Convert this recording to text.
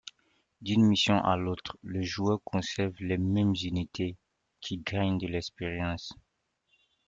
D’une missions à l’autre, le joueur conserve les mêmes unités, qui gagnent de l’expérience.